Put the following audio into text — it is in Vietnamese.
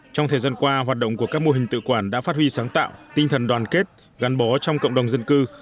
trong thời gian qua hoạt động của các mô hình tự quản đã phát huy sáng tạo tinh thần đoàn kết gắn bó trong cộng đồng dân cư